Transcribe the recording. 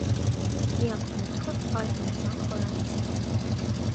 Միակ մուտքը արևմտյան խորանից է։